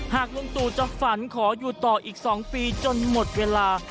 ลุงตู่จะฝันขออยู่ต่ออีก๒ปีจนหมดเวลา